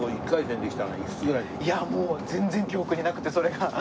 いやもう全然記憶になくてそれが。